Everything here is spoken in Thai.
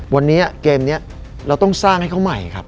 วันนี้เกมนี้เราต้องสร้างให้เขาใหม่ครับ